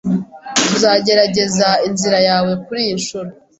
Tuzagerageza inzira yawe kuriyi nshuro.